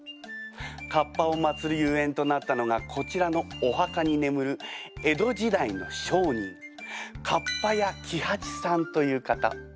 かっぱを祭るゆえんとなったのがこちらのお墓に眠る江戸時代の商人合羽屋喜八さんという方。